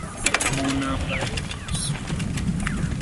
mu ntambara yo ku rusumo